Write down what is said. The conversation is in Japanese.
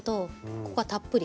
ここがたっぷり。